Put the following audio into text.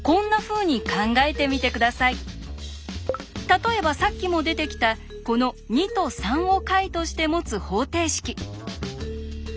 例えばさっきも出てきたこの２と３を解として持つ方程式。